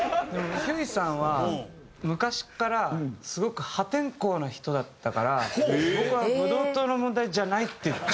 ひゅーいさんは昔からすごく破天荒な人だったから僕はブドウ糖の問題じゃないって。